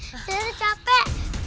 mami zara capek